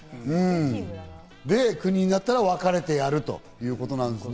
で、国になったら分かれてやるということなんですね。